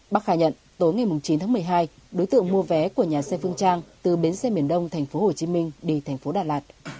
bắc khai nhận tối ngày chín tháng một mươi hai đối tượng mua vé của nhà xe phương trang từ bến xe miền đông tp hcm đi thành phố đà lạt